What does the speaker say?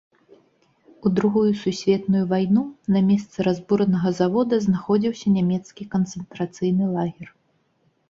У другую сусветную вайну на месцы разбуранага завода знаходзіўся нямецкі канцэнтрацыйны лагер.